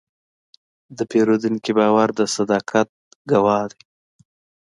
د پیرودونکي باور د صداقت ګواه دی.